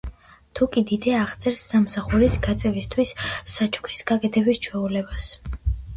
თუკიდიდე აღწერს სამსახურის გაწევისთვის საჩუქრის გაკეთების ჩვეულებას.